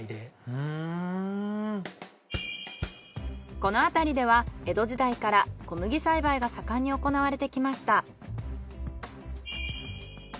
この辺りでは江戸時代から小麦栽培が盛んに行われてきました。